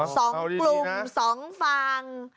สองกลุ่มสองฝั่ง